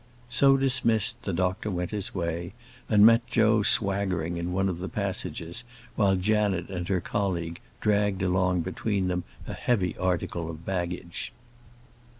So dismissed, the doctor went his way, and met Joe swaggering in one of the passages, while Janet and her colleague dragged along between them a heavy article of baggage.